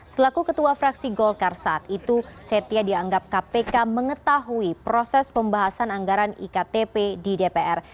selaku ketua fraksi golkar saat itu setia dianggap kpk mengetahui proses pembahasan anggaran iktp di dpr